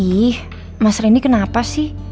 ih mas rendy kenapa sih